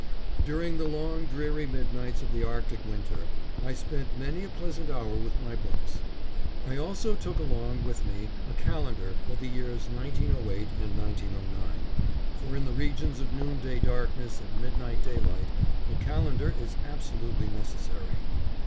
During the long dreary midnights of the Arctic winter, I spent many a pleasant hour with my books. I also took along with me a calendar for the years 1908 and 1909, for in the regions of noonday darkness and midnight daylight, a calendar is absolutely necessary.